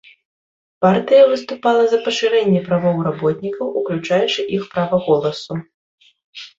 Партыя выступала за пашырэнне правоў работнікаў, уключаючы іх права голасу.